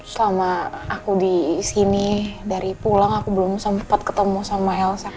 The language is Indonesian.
selama aku di sini dari pulang aku belum sempat ketemu sama elsa